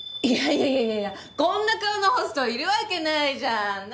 いやいやいやこんな顔のホストいるわけないじゃん。